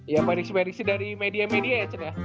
ya prediksi prediksi dari media media ya cen ya